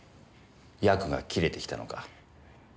ヤクが切れてきたのか？